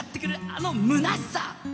あのむなしさ。